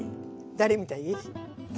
誰みたい？